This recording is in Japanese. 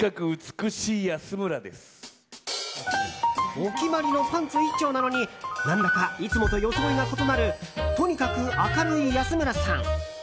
お決まりのパンツ一丁なのに何だかいつもと装いが異なるとにかく明るい安村さん。